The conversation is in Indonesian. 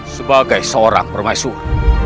sebagai seorang permaisur